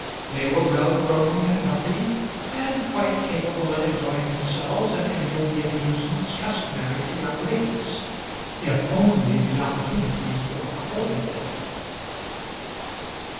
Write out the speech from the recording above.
They were well grown and healthy, and quite capable of enjoying themselves in any of the amusements customary to young ladies, if only the opportunities were afforded them.